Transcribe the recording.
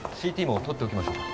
ＣＴも撮っておきましょうか？